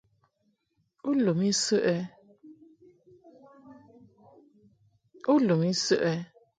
U lum I səʼ ɛ?